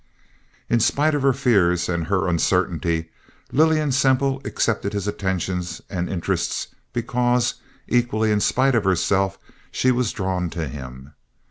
In spite of her fears and her uncertainty, Lillian Semple accepted his attentions and interest because, equally in spite of herself, she was drawn to him.